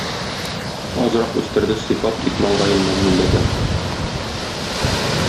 Азрак үстерде сыйпап тик маңгаемнан милләтем